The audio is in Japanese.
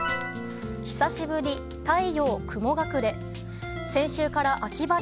久しぶり、太陽雲隠れ。